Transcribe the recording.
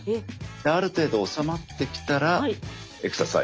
ある程度治まってきたらエクササイズ。